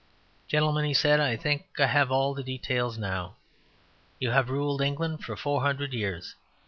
"Gentlemen," he said, "I think I have all the details now. You have ruled England for four hundred years.